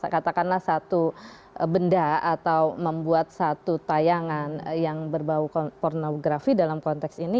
katakanlah satu benda atau membuat satu tayangan yang berbau pornografi dalam konteks ini